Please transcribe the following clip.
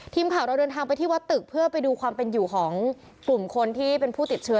ทีมข่าวเราเดินทางไปที่วัดตึกเพื่อไปดูความเป็นอยู่ของกลุ่มคนที่เป็นผู้ติดเชื้อ